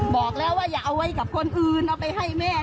บอกแล้วว่าอย่าเอาไว้กับคนอื่นเอาไปให้แม่